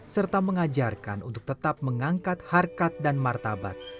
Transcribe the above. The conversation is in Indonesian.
serta mengajarkan untuk tetap mengangkat harkat dan martabat